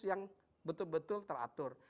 yang betul betul teratur